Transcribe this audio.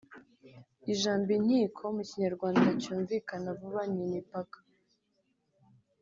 Ijambo “inkiko” mu Kinyarwanda cyumvikana vuba ni imipaka